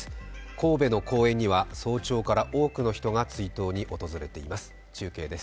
神戸の公園には早朝から多くの人が追悼に訪れています。